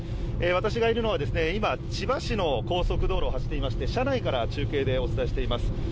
私がいるのは今、千葉市の高速道路を走っていまして車内から中継でお伝えしています。